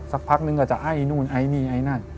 สักพักนึงก็จะไอ้นู่นไอ้นี่ไอ้นั่น